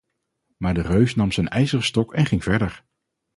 Maar de reus nam zijn ijzeren stok en ging verder.